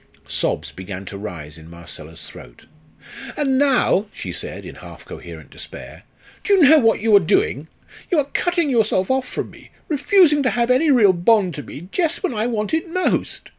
Sobs began to rise in Marcella's throat. "And now," she said, in half coherent despair, "do you know what you are doing? You are cutting yourself off from me refusing to have any real bond to me just when I want it most.